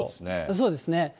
そうですね。